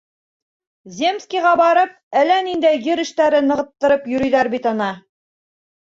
Земскийға барып, әллә ниндәй ер эштәре нығыттырып йөрөйҙәр бит ана.